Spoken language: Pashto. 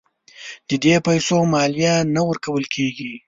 د دې پیسو مالیه نه ورکول کیږي.